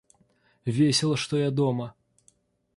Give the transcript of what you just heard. Весело, что я дома.